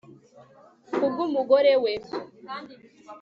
ku bwu mugore we